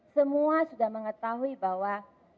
semua sudah mengetahui bahwa